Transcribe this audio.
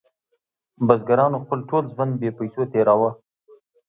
بزګرانو خپل ټول ژوند بې پیسو تیروه.